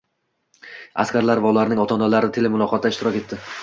Askarlar va ularning ota-onalari telemuloqotda ishtirok etdi